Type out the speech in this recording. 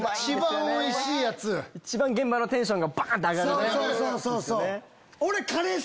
一番現場のテンションがバン！って上がる。